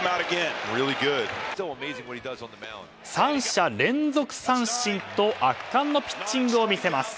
３者連続三振と圧巻のピッチングを見せます。